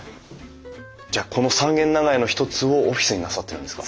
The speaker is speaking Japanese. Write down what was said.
じゃあこの三軒長屋の一つをオフィスになさってるんですか？